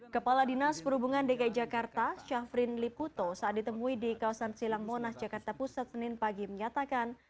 kepala dinas perhubungan dki jakarta syafrin liputo saat ditemui di kawasan silang monas jakarta pusat senin pagi menyatakan